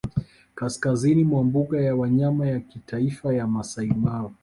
kaskazini mwa mbuga ya wanyama ya kitaifa ya Maasai Mara